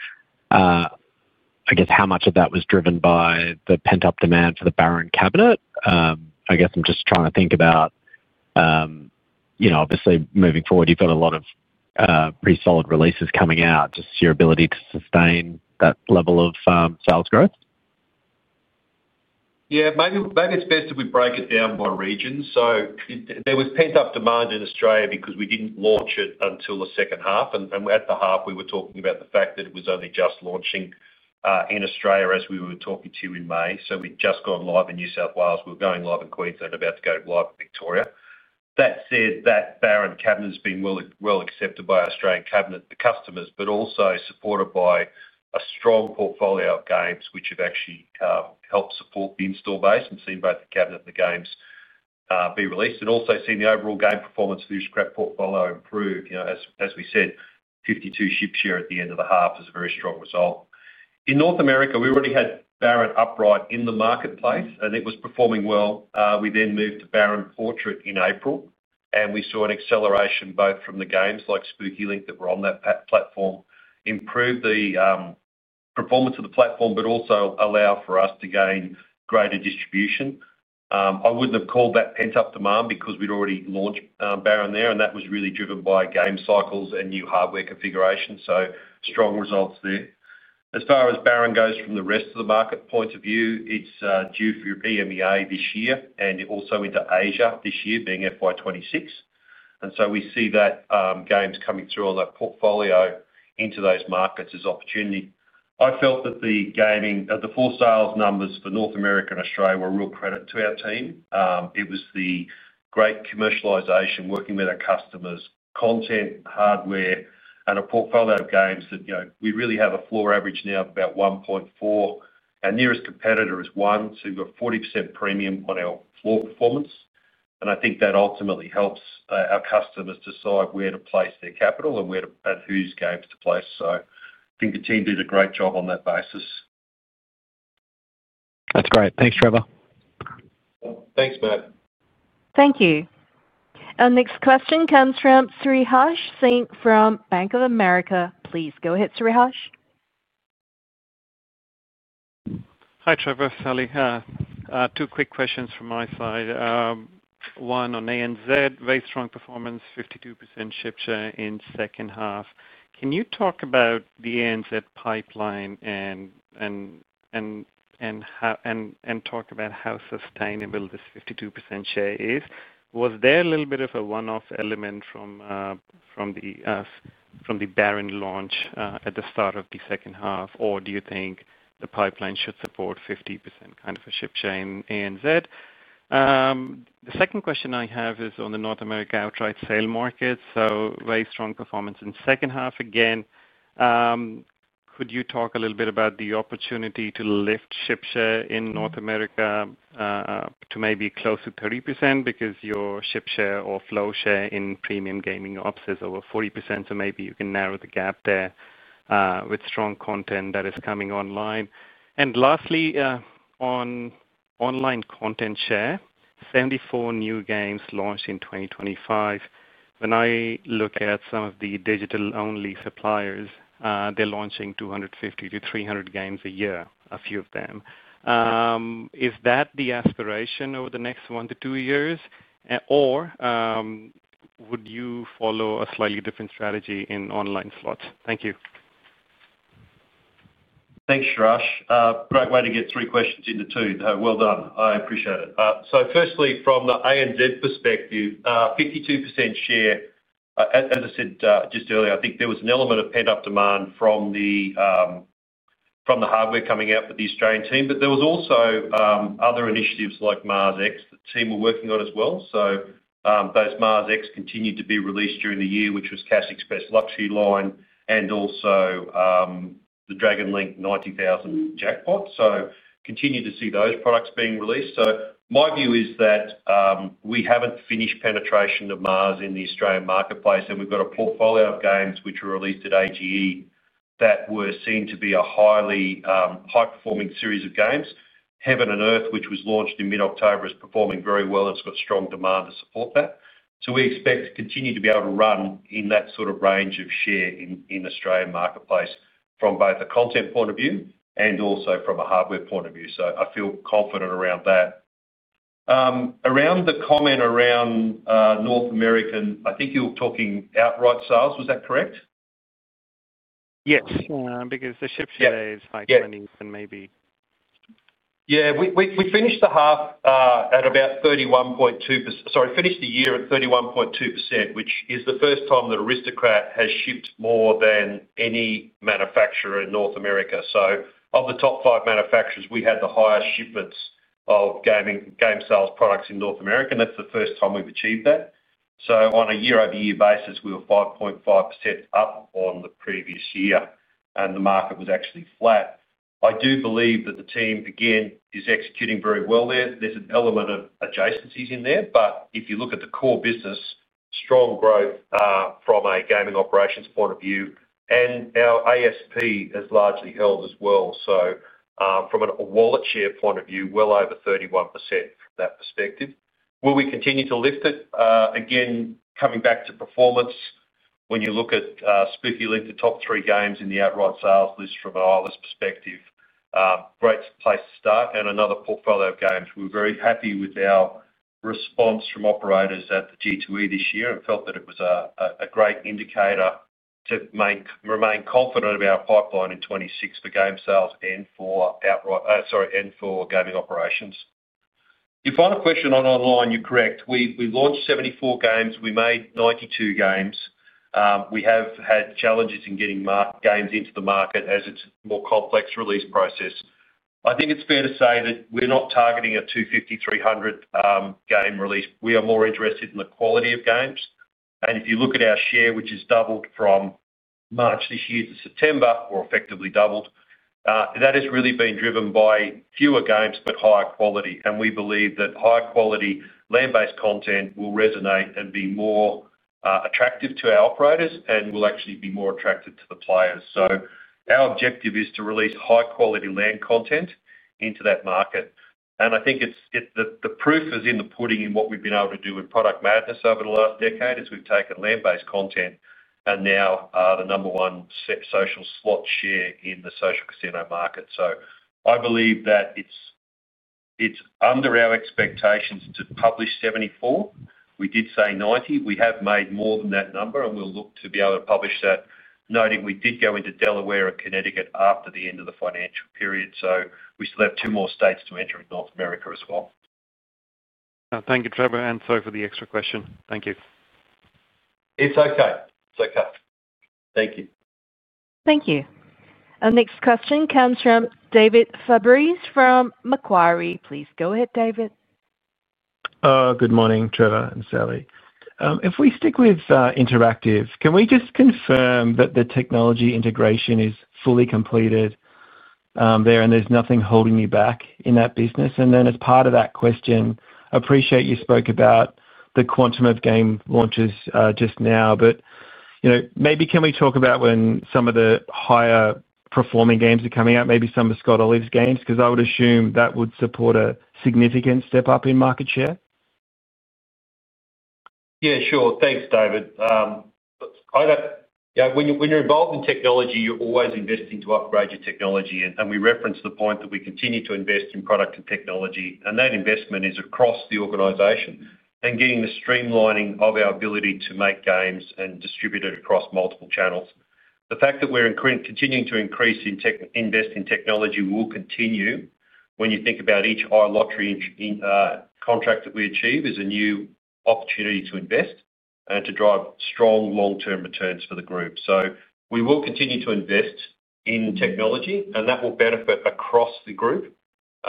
I guess, how much of that was driven by the pent-up demand for the Baron Cabinet. I guess I'm just trying to think about, obviously, moving forward, you've got a lot of pretty solid releases coming out. Just your ability to sustain that level of sales growth? Yeah, maybe it's best if we break it down by region. There was pent-up demand in Australia because we did not launch it until the second half. At the half, we were talking about the fact that it was only just launching in Australia as we were talking to you in May. We had just gone live in New South Wales. We were going live in Queensland, about to go live in Victoria. That said, that Baron Cabinet has been well accepted by Australian cabinet customers, but also supported by a strong portfolio of games, which have actually helped support the in-store base and seen both the cabinet and the games be released. We have also seen the overall game performance of the Aristocrat portfolio improve. As we said, 52 ship share at the end of the half is a very strong result. In North America, we already had Baron upright in the marketplace, and it was performing well. We then moved to Baron Portrait in April, and we saw an acceleration both from the games like Spooky Link that were on that platform, improve the performance of the platform, but also allow for us to gain greater distribution. I would not have called that pent-up demand because we had already launched Baron there, and that was really driven by game cycles and new hardware configuration. Strong results there. As far as Baron goes from the rest of the market point of view, it is due for EMEA this year and also into Asia this year, being fiscal year 2026. We see that games coming through on that portfolio into those markets as opportunity. I felt that the gaming, the full sales numbers for North America and Australia were a real credit to our team. It was the great commercialization, working with our customers, content, hardware, and a portfolio of games that we really have a floor average now of about 1.4x. Our nearest competitor is 1x, so we've got 40% premium on our floor performance. I think that ultimately helps our customers decide where to place their capital and at whose games to place. I think the team did a great job on that basis. That's great. Thanks, Trevor. Thanks, Matt. Thank you. Our next question comes from Sriharsh Singh from Bank of America. Please go ahead, Sriharsh. Hi, Trevor, Sally. Two quick questions from my side. One on ANZ, very strong performance, 52% ship share in second half. Can you talk about the ANZ pipeline and talk about how sustainable this 52% share is? Was there a little bit of a one-off element from the Baron launch at the start of the second half, or do you think the pipeline should support 50% kind of a ship share in ANZ? The second question I have is on the North America outright sale market. Very strong performance in second half. Again, could you talk a little bit about the opportunity to lift ship share in North America to maybe close to 30% because your ship share or flow share in premium gaming ops is over 40%? Maybe you can narrow the gap there with strong content that is coming online. Lastly, on online content share, 74 new games launched in 2025. When I look at some of the digital-only suppliers, they're launching 250-300 games a year, a few of them. Is that the aspiration over the next one to two years, or would you follow a slightly different strategy in online slots? Thank you. Thanks, Sriharsh. Great way to get three questions into two. Well done. I appreciate it. Firstly, from the ANZ perspective, 52% share, as I said just earlier, I think there was an element of pent-up demand from the hardware coming out for the Australian team. There were also other initiatives like Mars X that the team were working on as well. Those Mars X continued to be released during the year, which was Cash Express Luxury Line and also the Dragon Link 90,000 jackpot. Continue to see those products being released. My view is that we have not finished penetration of Mars in the Australian marketplace, and we have got a portfolio of games which were released at AGE that were seen to be a highly high-performing series of games. Heaven and Earth, which was launched in mid-October, is performing very well. It's got strong demand to support that. We expect to continue to be able to run in that sort of range of share in the Australian marketplace from both a content point of view and also from a hardware point of view. I feel confident around that. Around the comment around North American, I think you were talking outright sales. Was that correct? Yes, because the ship share is like 20% maybe. Yeah. We finished the half at about 31.2%. Sorry, finished the year at 31.2%, which is the first time that Aristocrat has shipped more than any manufacturer in North America. Of the top five manufacturers, we had the highest shipments of game sales products in North America, and that's the first time we've achieved that. On a year-over-year basis, we were 5.5% up on the previous year, and the market was actually flat. I do believe that the team, again, is executing very well there. There's an element of adjacencies in there, but if you look at the core business, strong growth from a gaming operations point of view, and our ASP is largely held as well. From a wallet share point of view, well over 31% from that perspective. Will we continue to lift it? Again, coming back to performance, when you look at Spooky Link, the top three games in the outright sales list from an eyewitness perspective, great place to start. And another portfolio of games. We are very happy with our response from operators at the G2E this year and felt that it was a great indicator to remain confident about our pipeline in 2026 for game sales and for outright, sorry, and for gaming operations. Your final question on online, you are correct. We launched 74 games. We made 92 games. We have had challenges in getting games into the market as it is a more complex release process. I think it is fair to say that we are not targeting a 250-300 game release. We are more interested in the quality of games. If you look at our share, which has doubled from March this year to September, or effectively doubled, that has really been driven by fewer games but higher quality. We believe that high-quality land-based content will resonate and be more attractive to our operators and will actually be more attractive to the players. Our objective is to release high-quality land content into that market. I think the proof is in the pudding in what we've been able to do with Product Madness over the last decade as we've taken land-based content and now the number one social slot share in the social casino market. I believe that it's under our expectations to publish 74. We did say 90. We have made more than that number, and we'll look to be able to publish that, noting we did go into Delaware and Connecticut after the end of the financial period. We still have two more states to enter in North America as well. Thank you, Trevor. Sorry for the extra question. Thank you. It's okay. It's okay. Thank you. Thank you. Our next question comes from David Fabris from Macquarie. Please go ahead, David. Good morning, Trevor and Sally. If we stick with Interactive, can we just confirm that the technology integration is fully completed there and there is nothing holding you back in that business? As part of that question, I appreciate you spoke about the quantum of game launches just now, but maybe can we talk about when some of the higher performing games are coming out, maybe some of Scott Olive's games, because I would assume that would support a significant step up in market share? Yeah, sure. Thanks, David. When you're involved in technology, you're always investing to upgrade your technology. We referenced the point that we continue to invest in product and technology. That investment is across the organization and getting the streamlining of our ability to make games and distribute it across multiple channels. The fact that we're continuing to invest in technology will continue. When you think about each iLottery contract that we achieve is a new opportunity to invest and to drive strong long-term returns for the group. We will continue to invest in technology, and that will benefit across the group. It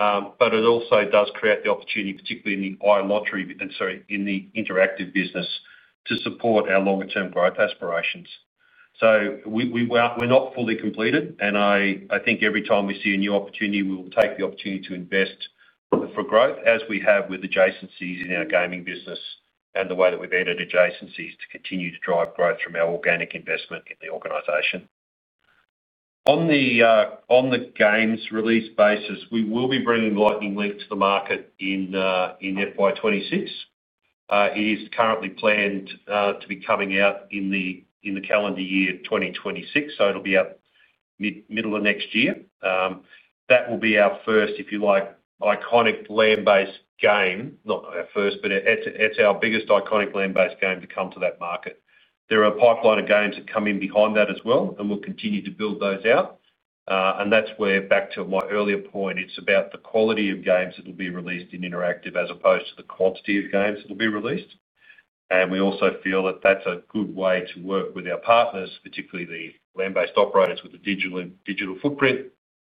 also does create the opportunity, particularly in the iLottery and, sorry, in the Interactive business, to support our longer-term growth aspirations. We're not fully completed, and I think every time we see a new opportunity, we will take the opportunity to invest for growth as we have with adjacencies in our gaming business and the way that we've added adjacencies to continue to drive growth from our organic investment in the organization. On the games release basis, we will be bringing Lightning Link to the market in FY 2026. It is currently planned to be coming out in the calendar year 2026, so it'll be out middle of next year. That will be our first, if you like, iconic land-based game. Not our first, but it's our biggest iconic land-based game to come to that market. There are a pipeline of games that come in behind that as well, and we'll continue to build those out. That is where, back to my earlier point, it is about the quality of games that will be released in Interactive as opposed to the quantity of games that will be released. We also feel that is a good way to work with our partners, particularly the land-based operators with the digital footprint,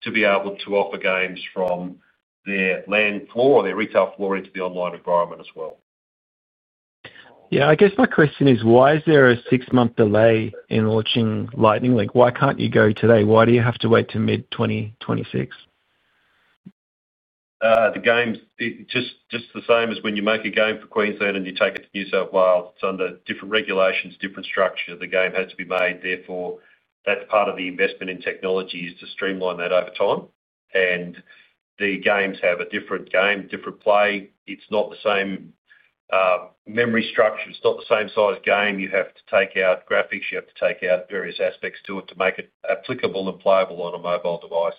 to be able to offer games from their land floor or their retail floor into the online environment as well. Yeah, I guess my question is, why is there a six-month delay in launching Lightning Link? Why can't you go today? Why do you have to wait to mid-2026? The games, just the same as when you make a game for Queensland and you take it to New South Wales, it's under different regulations, different structure. The game has to be made. Therefore, that's part of the investment in technology is to streamline that over time. The games have a different game, different play. It's not the same memory structure. It's not the same size game. You have to take out graphics. You have to take out various aspects to it to make it applicable and playable on a mobile device.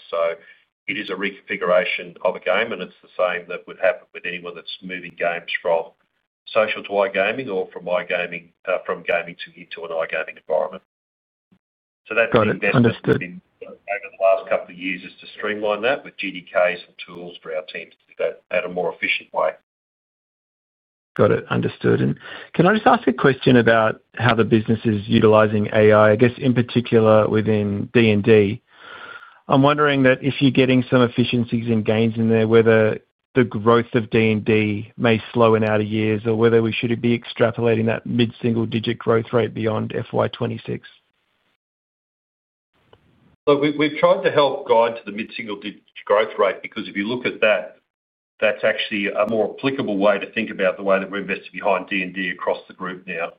It is a reconfiguration of a game, and it's the same that would happen with anyone that's moving games from social to iGaming or from iGaming to into an iGaming environment. That's the investment we've been making over the last couple of years is to streamline that with GDKs and tools for our teams to do that in a more efficient way. Got it. Understood. Can I just ask a question about how the business is utilizing AI? I guess, in particular, within D&D, I'm wondering that if you're getting some efficiencies and gains in there, whether the growth of D&D may slow in outer years or whether we should be extrapolating that mid-single digit growth rate beyond FY 2026. Look, we've tried to help guide to the mid-single digit growth rate because if you look at that, that's actually a more applicable way to think about the way that we're investing behind D&D across the group now.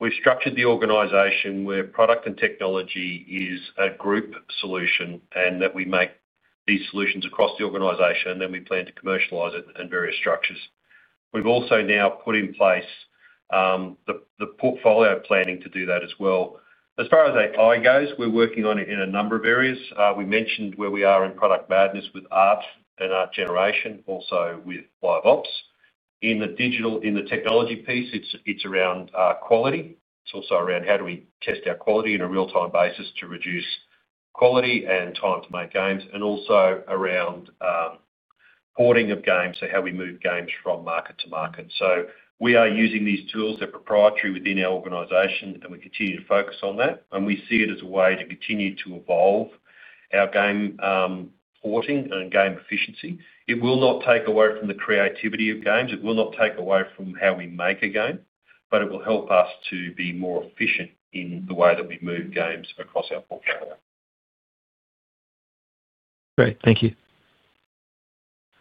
We've structured the organization where product and technology is a group solution and that we make these solutions across the organization, and then we plan to commercialize it in various structures. We've also now put in place the portfolio planning to do that as well. As far as AI goes, we're working on it in a number of areas. We mentioned where we are in Product Madness with art and art generation, also with Live Ops. In the technology piece, it's around quality. It's also around how do we test our quality on a real-time basis to reduce quality and time to make games, and also around porting of games, how we move games from market to market. We are using these tools that are proprietary within our organization, and we continue to focus on that. We see it as a way to continue to evolve our game porting and game efficiency. It will not take away from the creativity of games. It will not take away from how we make a game, but it will help us to be more efficient in the way that we move games across our portfolio. Great. Thank you.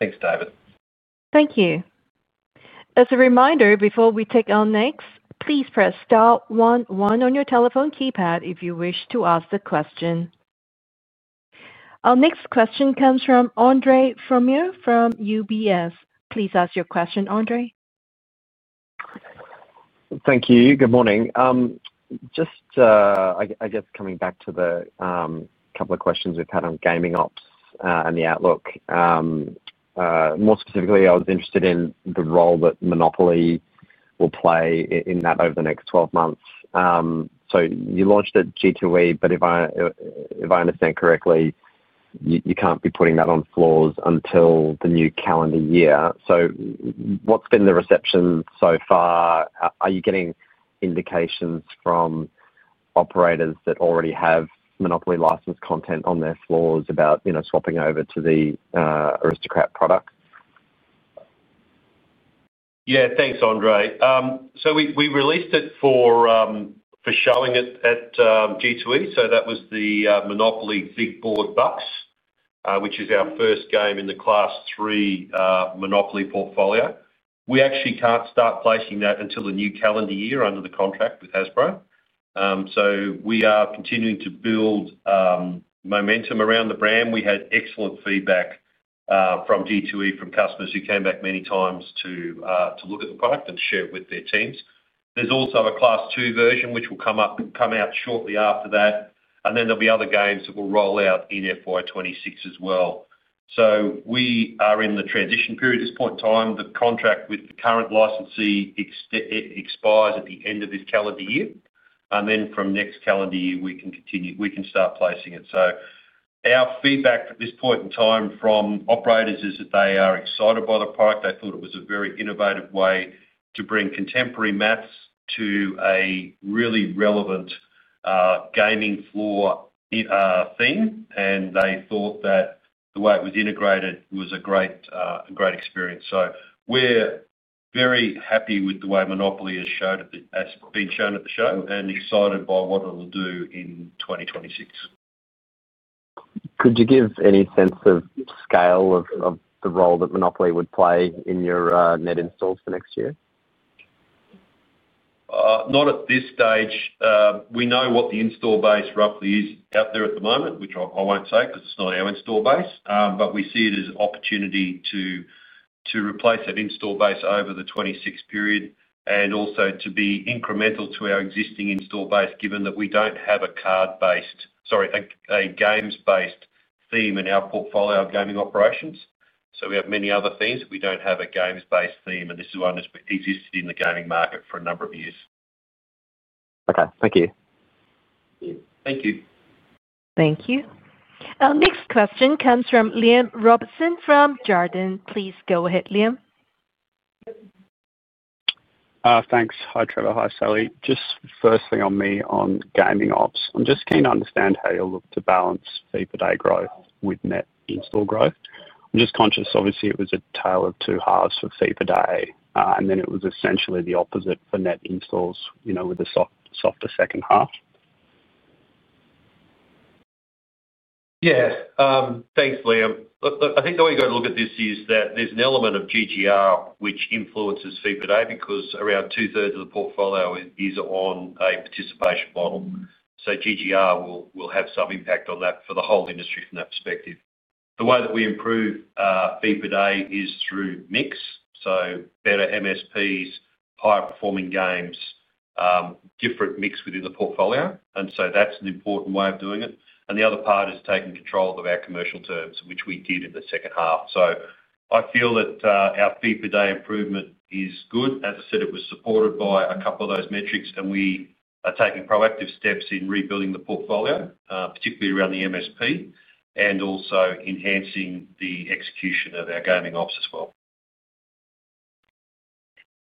Thanks, David. Thank you. As a reminder, before we take our next, please press star one one on your telephone keypad if you wish to ask the question. Our next question comes from Andre Fromyhr from UBS. Please ask your question, Andre. Thank you. Good morning. Just, I guess, coming back to the couple of questions we've had on Gaming Ops and the outlook. More specifically, I was interested in the role that Monopoly will play in that over the next 12 months. You launched at G2E, but if I understand correctly, you can't be putting that on floors until the new calendar year. What's been the reception so far? Are you getting indications from operators that already have Monopoly licensed content on their floors about swapping over to the Aristocrat product? Yeah. Thanks, Andre. We released it for showing at G2E. That was the Monopoly Big Board Bucks, which is our first game in the Class 3 Monopoly portfolio. We actually cannot start placing that until the new calendar year under the contract with Hasbro. We are continuing to build momentum around the brand. We had excellent feedback from G2E, from customers who came back many times to look at the product and share it with their teams. There is also a Class 2 version, which will come out shortly after that. There will be other games that will roll out in FY 2026 as well. We are in the transition period at this point in time. The contract with the current licensee expires at the end of this calendar year. From next calendar year, we can start placing it. Our feedback at this point in time from operators is that they are excited by the product. They thought it was a very innovative way to bring contemporary maths to a really relevant gaming floor theme. They thought that the way it was integrated was a great experience. We are very happy with the way Monopoly has been shown at the show and excited by what it will do in 2026. Could you give any sense of scale of the role that Monopoly would play in your net installs for next year? Not at this stage. We know what the install base roughly is out there at the moment, which I won't say because it's not our install base. We see it as an opportunity to replace that install base over the 2026 period and also to be incremental to our existing install base, given that we don't have a card-based—sorry, a games-based theme in our portfolio of gaming operations. We have many other themes, but we don't have a games-based theme. This is one that's existed in the gaming market for a number of years. Okay. Thank you. Thank you. Thank you. Our next question comes from Liam Robertson from Jarden. Please go ahead, Liam. Thanks. Hi, Trevor. Hi, Sally. Just first thing on me on Gaming Ops, I'm just keen to understand how you'll look to balance fee-per-day growth with net install growth. I'm just conscious, obviously, it was a tale of two halves for fee-per-day, and then it was essentially the opposite for net installs with a softer second half. Yeah. Thanks, Liam. I think the way you've got to look at this is that there's an element of GGR, which influences fee-per-day because around two-thirds of the portfolio is on a participation model. GGR will have some impact on that for the whole industry from that perspective. The way that we improve fee-per-day is through mix. Better MSPs, higher-performing games, different mix within the portfolio. That is an important way of doing it. The other part is taking control of our commercial terms, which we did in the second half. I feel that our fee-per-day improvement is good. As I said, it was supported by a couple of those metrics, and we are taking proactive steps in rebuilding the portfolio, particularly around the MSP, and also enhancing the execution of our Gaming Ops as well.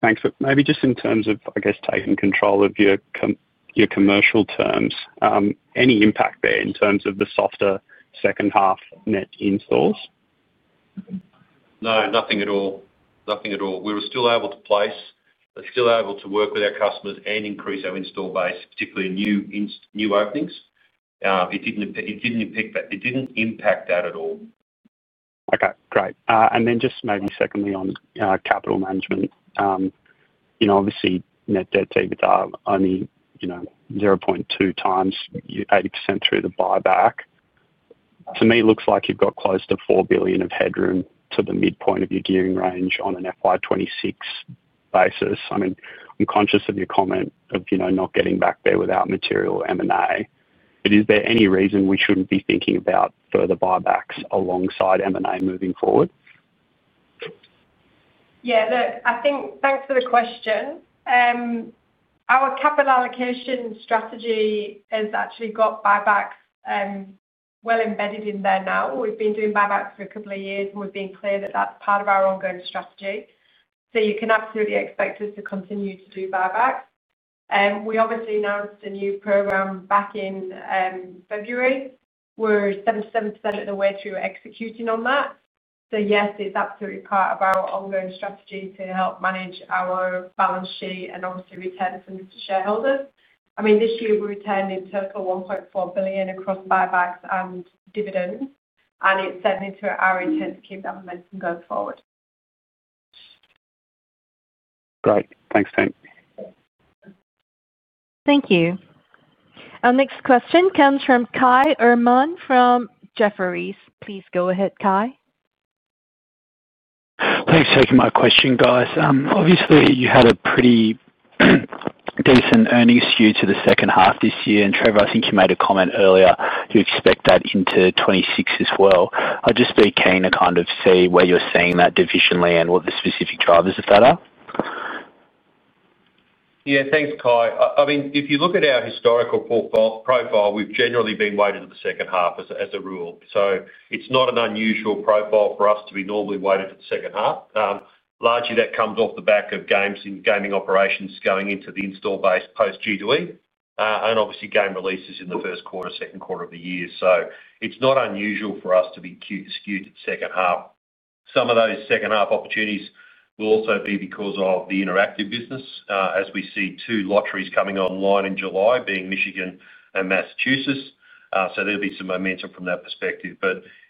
Thanks. Maybe just in terms of, I guess, taking control of your commercial terms, any impact there in terms of the softer second half net installs? No, nothing at all. Nothing at all. We were still able to place. We're still able to work with our customers and increase our install base, particularly new openings. It didn't impact that at all. Okay. Great. Then just maybe secondly on capital management. Obviously, net debt to EBITDA only 0.2x, 80% through the buyback. To me, it looks like you've got close to 4 billion of headroom to the midpoint of your gearing range on an FY 2026 basis. I mean, I'm conscious of your comment of not getting back there without material M&A. Is there any reason we shouldn't be thinking about further buybacks alongside M&A moving forward? Yeah. Look, I think thanks for the question. Our capital allocation strategy has actually got buybacks well embedded in there now. We've been doing buybacks for a couple of years, and we've been clear that that's part of our ongoing strategy. You can absolutely expect us to continue to do buybacks. We obviously announced a new program back in February. We're 77% of the way through executing on that. Yes, it's absolutely part of our ongoing strategy to help manage our balance sheet and obviously return funds to shareholders. I mean, this year, we returned in total 1.4 billion across buybacks and dividends, and it's certainly our intent to keep that momentum going forward. Great. Thanks, Sally. Thank you. Our next question comes from Kai Erman from Jefferies. Please go ahead, Kai. Thanks for taking my question, guys. Obviously, you had a pretty decent earnings due to the second half this year. Trevor, I think you made a comment earlier to expect that into 2026 as well. I'd just be keen to kind of see where you're seeing that divisionally and what the specific drivers of that are. Yeah. Thanks, Kai. I mean, if you look at our historical profile, we've generally been weighted to the second half as a rule. It is not an unusual profile for us to be normally weighted to the second half. Largely, that comes off the back of games in gaming operations going into the install base post-G2E and obviously game releases in the first quarter, second quarter of the year. It is not unusual for us to be skewed to the second half. Some of those second half opportunities will also be because of the interactive business, as we see two lotteries coming online in July being Michigan and Massachusetts. There will be some momentum from that perspective.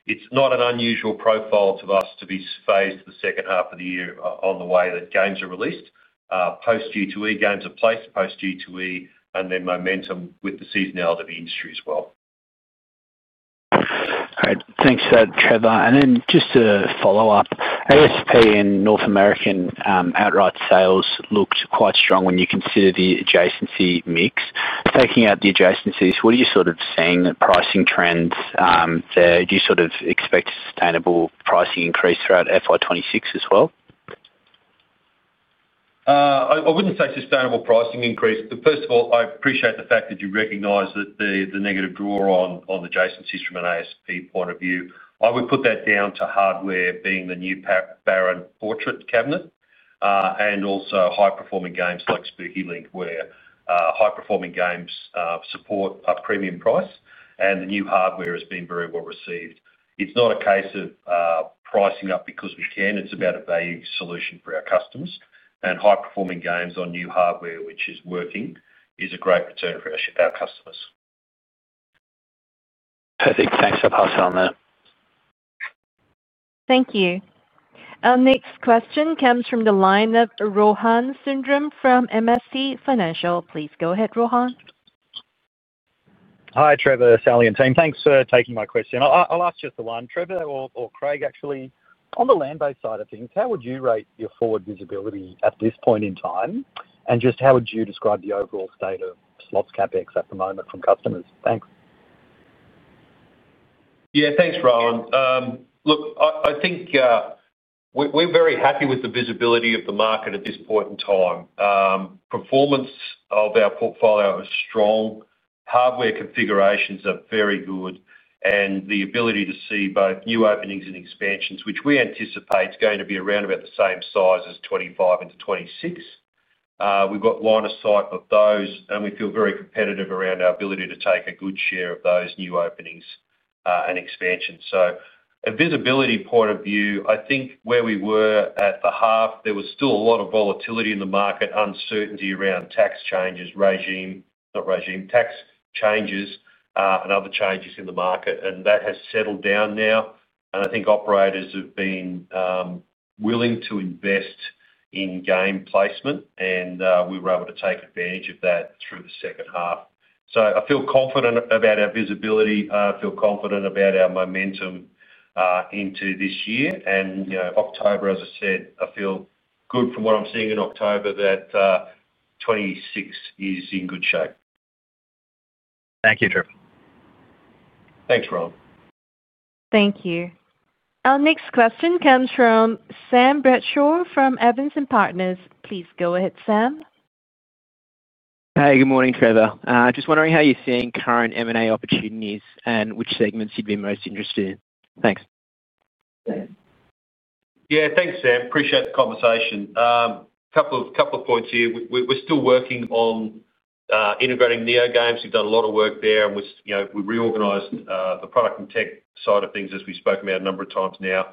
It is not an unusual profile to us to be phased to the second half of the year on the way that games are released. Post-G2E, games are placed post-G2E, and then momentum with the seasonality of the industry as well. All right. Thanks for that, Trevor. And then just to follow up, ASP in North American outright sales looked quite strong when you consider the adjacency mix. Taking out the adjacencies, what are you sort of seeing in pricing trends there? Do you sort of expect a sustainable pricing increase throughout FY 2026 as well? I wouldn't say sustainable pricing increase. First of all, I appreciate the fact that you recognize the negative draw on adjacencies from an ASP point of view. I would put that down to hardware being the new Baron Cabinet and also high-performing games like Spooky Link, where high-performing games support a premium price, and the new hardware has been very well received. It's not a case of pricing up because we can. It's about a value solution for our customers. High-performing games on new hardware, which is working, is a great return for our customers. Perfect. Thanks for passing on that. Thank you. Our next question comes from the line of Rohan Sundram from MST Financial. Please go ahead, Rohan. Hi, Trevor, Sally, and team. Thanks for taking my question. I'll ask just the one. Trevor or Craig, actually, on the land-based side of things, how would you rate your forward visibility at this point in time? Just how would you describe the overall state of slots CapEx at the moment from customers? Thanks. Yeah. Thanks, Rohan. Look, I think we're very happy with the visibility of the market at this point in time. Performance of our portfolio is strong. Hardware configurations are very good. The ability to see both new openings and expansions, which we anticipate is going to be around about the same size as 2025 into 2026, we've got line of sight for those. We feel very competitive around our ability to take a good share of those new openings and expansions. From a visibility point of view, I think where we were at the half, there was still a lot of volatility in the market, uncertainty around tax changes, regime—not regime—tax changes and other changes in the market. That has settled down now. I think operators have been willing to invest in game placement. We were able to take advantage of that through the second half. I feel confident about our visibility. I feel confident about our momentum into this year. October, as I said, I feel good from what I'm seeing in October that 2026 is in good shape. Thank you, Trevor. Thanks, Rohan. Thank you. Our next question comes from Sam Bradshaw from Evans & Partners. Please go ahead, Sam. Hey, good morning, Trevor. Just wondering how you're seeing current M&A opportunities and which segments you'd be most interested in. Thanks. Yeah. Thanks, Sam. Appreciate the conversation. A couple of points here. We're still working on integrating NeoGames. We've done a lot of work there. We reorganized the product and tech side of things, as we've spoken about a number of times now.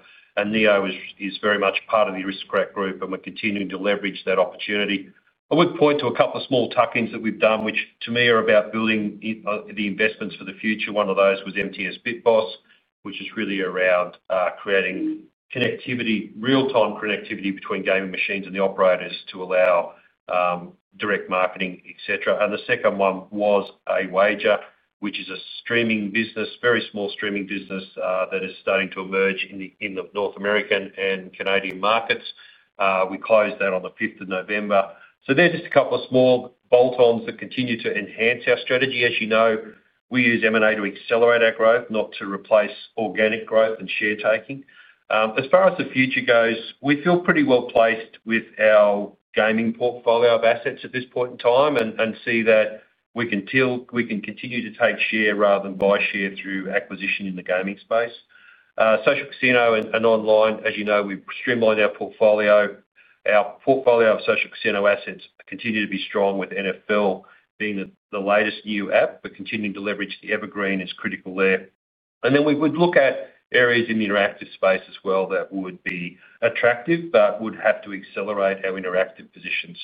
Neo is very much part of the Aristocrat group, and we're continuing to leverage that opportunity. I would point to a couple of small tuck-ins that we've done, which to me are about building the investments for the future. One of those was MTS Big Boss, which is really around creating real-time connectivity between gaming machines and the operators to allow direct marketing, etc. The second one was Awager, which is a streaming business, very small streaming business that is starting to emerge in the North American and Canadian markets. We closed that on the 5th of November. There are just a couple of small bolt-ons that continue to enhance our strategy. As you know, we use M&A to accelerate our growth, not to replace organic growth and share-taking. As far as the future goes, we feel pretty well placed with our gaming portfolio of assets at this point in time and see that we can continue to take share rather than buy share through acquisition in the gaming space. Social Casino and online, as you know, we've streamlined our portfolio. Our portfolio of Social Casino assets continue to be strong, with NFL being the latest new app, but continuing to leverage the evergreen is critical there. We would look at areas in the interactive space as well that would be attractive but would have to accelerate our interactive position.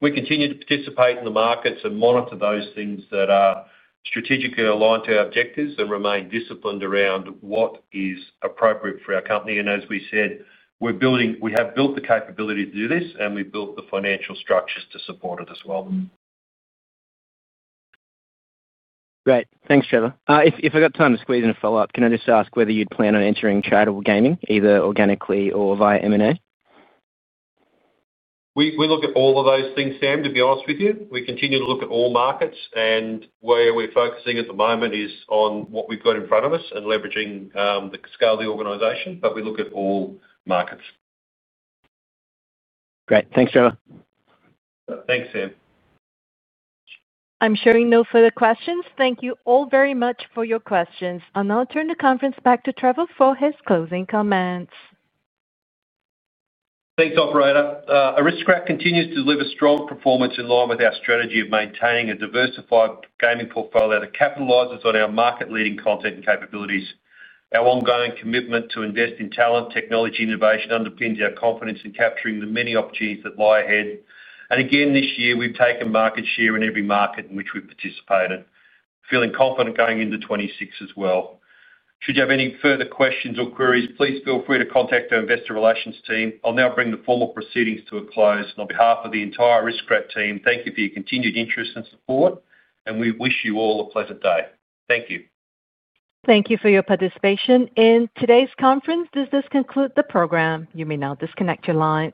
We continue to participate in the markets and monitor those things that are strategically aligned to our objectives and remain disciplined around what is appropriate for our company. As we said, we have built the capability to do this, and we've built the financial structures to support it as well. Great. Thanks, Trevor. If I got time to squeeze in a follow-up, can I just ask whether you'd plan on entering chat or gaming, either organically or via M&A? We look at all of those things, Sam, to be honest with you. We continue to look at all markets. Where we're focusing at the moment is on what we've got in front of us and leveraging the scale of the organization. We look at all markets. Great. Thanks, Trevor. Thanks, Sam. I'm sure no further questions. Thank you all very much for your questions. I'll now turn the conference back to Trevor for his closing comments. Thanks, operator. Aristocrat continues to deliver strong performance in line with our strategy of maintaining a diversified gaming portfolio that capitalizes on our market-leading content and capabilities. Our ongoing commitment to invest in talent, technology, and innovation underpins our confidence in capturing the many opportunities that lie ahead. This year, we have taken market share in every market in which we have participated, feeling confident going into 2026 as well. Should you have any further questions or queries, please feel free to contact our investor relations team. I will now bring the formal proceedings to a close. On behalf of the entire Aristocrat team, thank you for your continued interest and support. We wish you all a pleasant day. Thank you. Thank you for your participation in today's conference. This does conclude the program. You may now disconnect your lines.